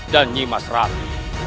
dan nyimas rati